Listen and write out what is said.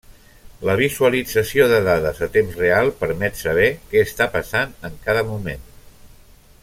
La visualització de dades a temps real, permet saber què està passant en cada moment.